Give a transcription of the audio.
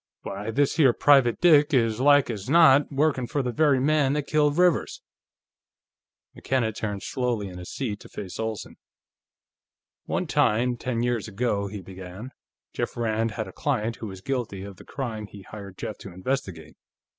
Why, this here private dick is like as not workin' for the very man that killed Rivers!" McKenna turned slowly in his seat, to face Olsen. "One time, ten years ago," he began, "Jeff Rand had a client who was guilty of the crime he hired Jeff to investigate.